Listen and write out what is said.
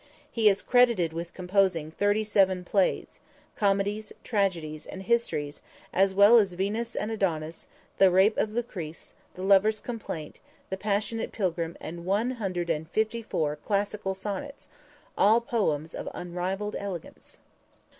He is credited with composing thirty seven plays, comedies, tragedies and histories, as well as Venus and Adonis, The Rape of Lucrece, The Lovers' Complaint, The Passionate Pilgrim and one hundred and fifty four classical sonnets, all poems of unrivaled elegance.